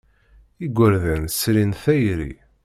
Igerdan srin tayri.